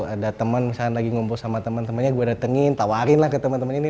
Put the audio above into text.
ada temen misalnya lagi ngomong sama temen temennya gue datengin tawarin lah ke temen temen ini